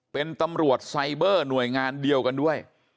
เป็นตำรวจไซเบอร์หน่วยงานเดียวกันด้วย